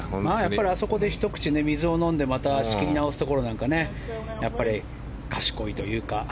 あそこでひと口、水を飲んでまた仕切り直すところなんか賢いというか。